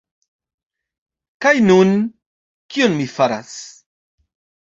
Kaj nun... kion mi faras?